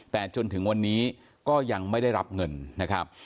แต่จนถึงวันนี้ก็ยังไม่ได้รับเงินนะครับ